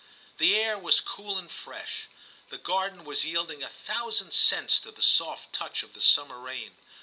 The air was cool and fresh. The garden was yielding a thousand scents to the soft touch of the summer rain.